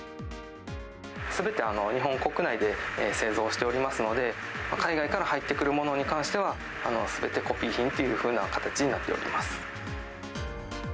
すべて日本国内で製造しておりますので、海外から入ってくるものに関しては、すべてコピー品というふうな形になっております。